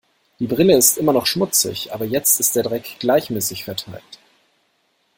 Die Brille ist immer noch schmutzig, aber jetzt ist der Dreck gleichmäßig verteilt.